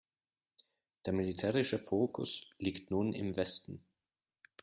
Der militärische Fokus liegt nun im Westen.